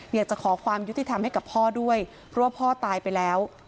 อยากจะขอความยุติธรรมให้กับพ่อด้วยเพราะว่าพ่อตายไปแล้ว